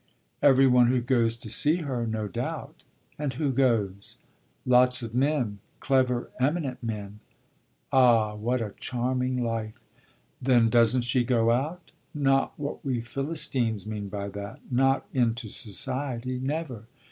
"Every one who goes to see her, no doubt." "And who goes?" "Lots of men clever men, eminent men." "Ah what a charming life! Then doesn't she go out?" "Not what we Philistines mean by that not into society, never.